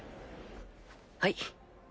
はい。